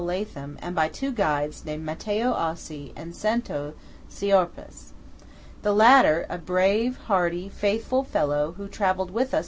Latham and by two guides named Matteo Ossi and Santo Siorpaes. The latter–a brave, hardy, faithful fellow, who travelled with us THE MONTE ANTELAO.